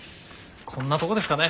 こんなとこですかね。